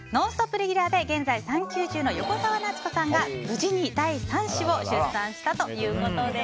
レギュラーで現在、産休中の横澤夏子さんが無事に第３子を出産したということです。